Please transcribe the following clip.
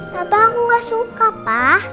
papa aku gak suka pak